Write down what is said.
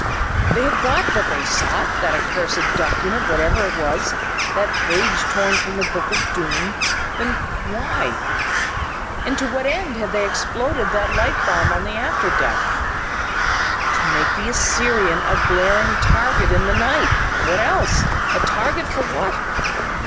They had got what they sought, that accursed document, whatever it was, that page torn from the Book of Doom. Then why...? And to what end had they exploded that light bomb on the after deck? To make the Assyrian a glaring target in the night what else? A target for what?...